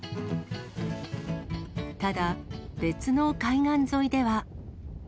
ただ、別の海岸沿いでは。